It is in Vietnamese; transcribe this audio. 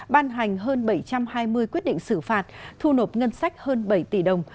ban hành hơn bảy trăm hai mươi quyết định xử phạt thu nộp ngân sách hơn bảy tỷ đồng